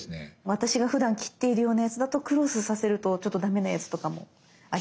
私がふだん切っているようなやつだとクロスさせるとちょっとダメなやつとかもありますね。